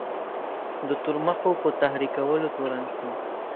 د تورمخو په تحریکولو تورن شو.